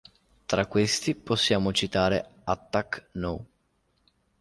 Tra questi possiamo citare "Attack No.